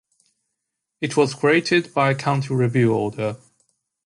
It was created by a County Review Order.